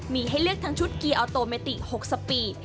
มีให้เลือกทั้งชุดกีออโตเมติก๖สปีด